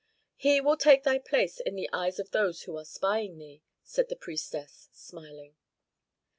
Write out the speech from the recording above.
"He will take thy place in the eyes of those who are spying thee," said the priestess, smiling.